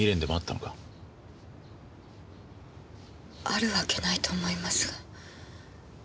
あるわけないと思いますが。